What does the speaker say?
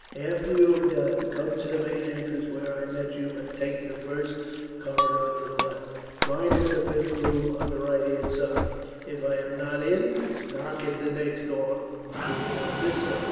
"After you have done, come to the main entrance where I met you and take the first corridor to the left. Mine is the fifth door on the right hand side. If I am not in, knock at the next door to it on this side.